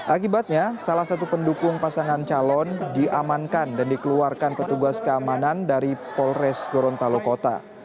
akibatnya salah satu pendukung pasangan calon diamankan dan dikeluarkan petugas keamanan dari polres gorontalo kota